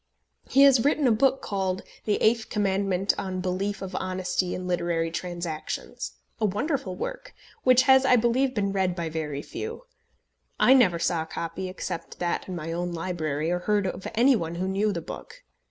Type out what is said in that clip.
He has written a book called The Eighth Commandment on behalf of honesty in literary transactions, a wonderful work, which has I believe been read by a very few. I never saw a copy except that in my own library, or heard of any one who knew the book.